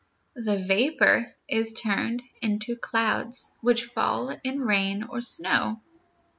The vapor is turned into clouds, which fall in rain or snow.